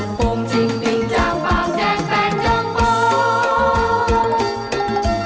ฮักเท่าหอยโฟงจิงปิงจังปังแจงแปงจงโฟง